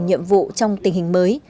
nhiệm vụ trong tình hình mới